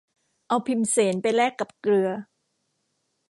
เอาพิมเสนไปแลกกับเกลือ